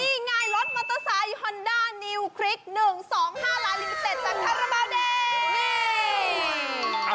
นี่ไงรถมอเตอร์ไซค์ฮอนด้านิวคลิก๑๒๕ล้านลิมิเต็ดจากคาราบาลแดงนี่